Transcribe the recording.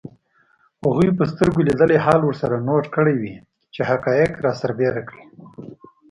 هغوی به سترګو لیدلی حال ورسره نوټ کړی وي چي حقایق رابرسېره کړي